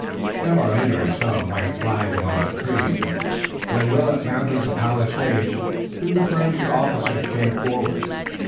An hour later he saw a white flag among the trees, and when Willet mounted the palisade two French officers came forward.